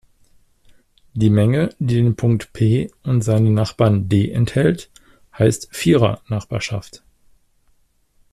Die Menge, die den Punkt "P" und seine Nachbarn "D" enthält, heißt Vierer-Nachbarschaft.